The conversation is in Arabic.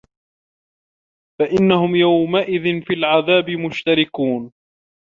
فَإِنَّهُم يَومَئِذٍ فِي العَذابِ مُشتَرِكونَ